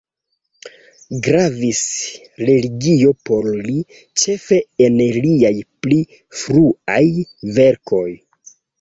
Gravis religio por li, ĉefe en liaj pli fruaj verkoj.